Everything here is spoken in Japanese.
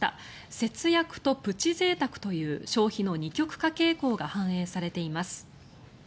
節約とプチぜいたくという消費の二極化傾向が反映されています。